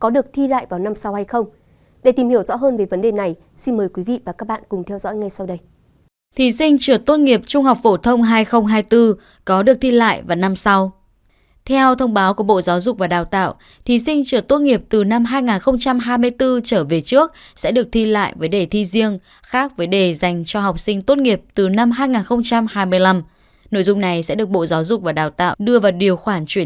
để tìm hiểu rõ hơn về vấn đề này xin mời quý vị và các bạn cùng theo dõi ngay sau đây